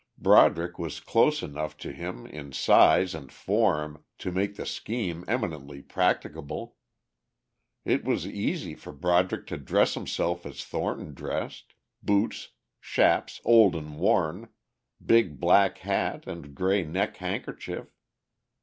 Broderick was close enough to him in size and form to make the scheme eminently practicable. It was easy for Broderick to dress himself as Thornton dressed, boots, chaps old and worn, big black hat and grey neck handkerchief.